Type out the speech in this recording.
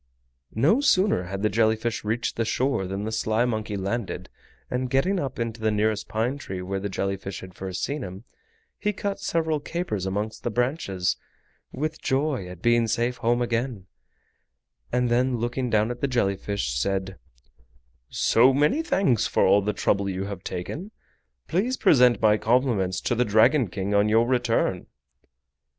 No sooner had the jelly fish reached the shore than the sly monkey landed, and getting up into the pine tree where the jelly fish had first seen him, he cut several capers amongst the branches with joy at being safe home again, and then looking down at the jelly fish said: "So many thanks for all the trouble you have taken! Please present my compliments to the Dragon King on your return!"